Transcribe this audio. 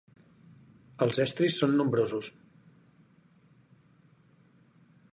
Els estris són nombrosos.